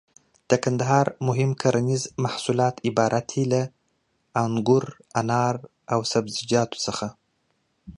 د کندهار مهم کرنيز محصولات عبارت دي له: انګور، انار او سبزيجاتو څخه.